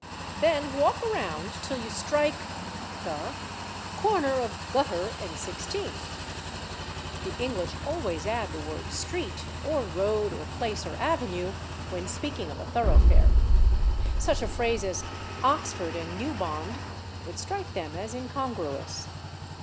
]; then walk around till you strike [the] corner of /Gutter/ and /Sixteenth/." The English always add the word /street/ (or /road/ or /place/ or /avenue/) when speaking of a thoroughfare; such a phrase as "/Oxford/ and /New Bond/" would strike them as incongruous.